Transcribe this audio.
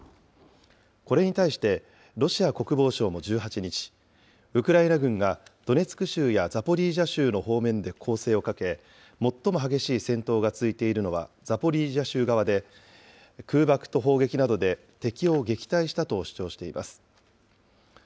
これに対して、ロシア国防省も１８日、ウクライナ軍がドネツク州やザポリージャ州の方面で攻勢をかけ、最も激しい戦闘が続いているのはザポリージャ州側で空爆と砲撃などで敵を撃退したと主張しています。